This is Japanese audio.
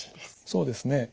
そうですね。